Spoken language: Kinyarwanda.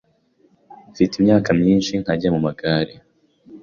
mfite imyaka myinshi ntajya mu magare